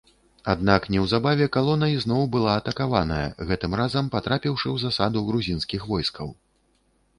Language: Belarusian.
Аднак неўзабаве калона ізноў была атакаваная, гэтым разам патрапіўшы ў засаду грузінскіх войскаў.